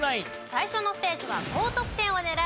最初のステージは。